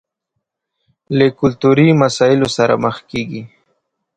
له کلتوري مسايلو سره مخ کېږي.